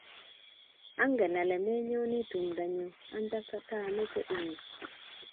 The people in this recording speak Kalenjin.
angen ale menyone tumdo nyu, anta taameche inyo